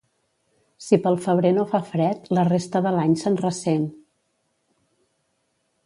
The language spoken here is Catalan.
Si pel febrer no fa fred, la resta de l'any se'n ressent.